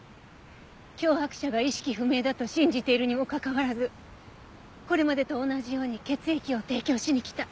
脅迫者が意識不明だと信じているにもかかわらずこれまでと同じように血液を提供しに来た。